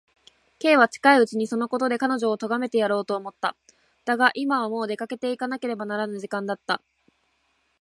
Ｋ は近いうちにそのことで彼女をとがめてやろうと思った。だが、今はもう出かけていかねばならぬ時間だった。